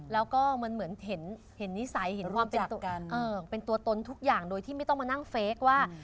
แล้วก็มันเหมือนเห็นนิสัยเห็นความเป็นตัวตนทุกอย่างโดยที่ไม่ต้องมานั่งเฟคว่า